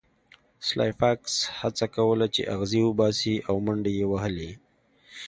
سلای فاکس هڅه کوله چې اغزي وباسي او منډې یې وهلې